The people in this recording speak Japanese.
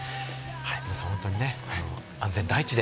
皆さん本当に安全第一で。